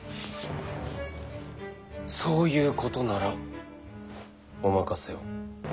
そういうことならお任せを。